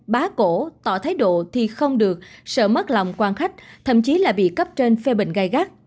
bá cổ tỏ thái độ thì không được sợ mất lòng quan khách thậm chí là bị cấp trên phê bình gai gắt